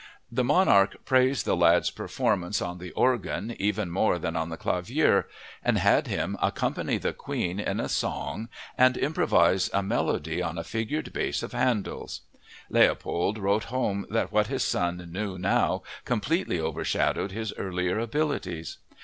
The monarch praised the lad's performances on the organ even more than on the clavier, and had him accompany the Queen in a song and improvise a melody on a figured bass of Handel's. Leopold wrote home that what his son knew now completely overshadowed his earlier abilities.